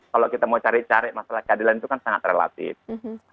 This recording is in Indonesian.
kalau kita mau cari cari masalah keadilan itu kan sangat relatif